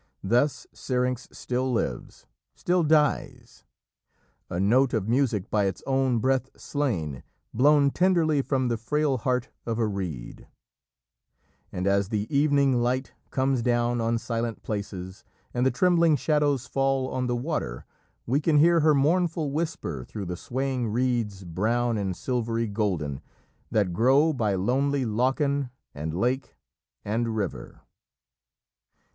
Thus Syrinx still lives still dies: "A note of music by its own breath slain, Blown tenderly from the frail heart of a reed," and as the evening light comes down on silent places and the trembling shadows fall on the water, we can hear her mournful whisper through the swaying reeds, brown and silvery golden, that grow by lonely lochan and lake and river.